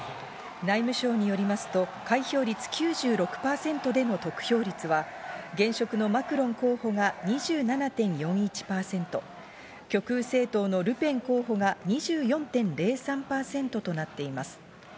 内務省によりますと開票率９６％での得票率は現職のマクロン候補が２７．４１％、極右政党のルペン候補が２４．０３％となっています。